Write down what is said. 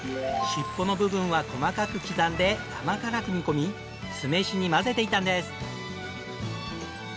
尻尾の部分は細かく刻んで甘辛く煮込み酢飯に混ぜていたんです。